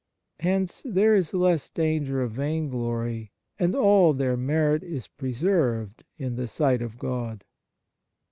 Hence there is less danger of vainglory, and all their merit is preserved in the sight of God.